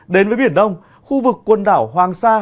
đến với biển đông khu vực quần đảo hoàng sa